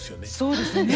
そうですね。